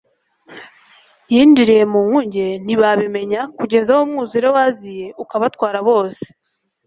yinjiriye mu nkuge, ntibabimenya, kugeza aho umwuzure waziye ukabatwara bose,